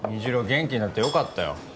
元気になってよかったよ